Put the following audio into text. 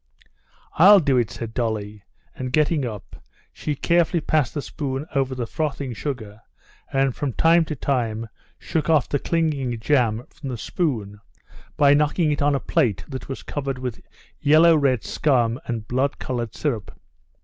"I'll do it," said Dolly, and getting up, she carefully passed the spoon over the frothing sugar, and from time to time shook off the clinging jam from the spoon by knocking it on a plate that was covered with yellow red scum and blood colored syrup.